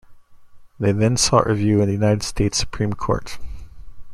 They then sought review in the United States Supreme Court.